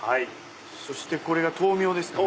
そしてこれが豆苗ですかね。